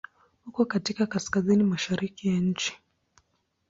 Uko katika Kaskazini mashariki ya nchi.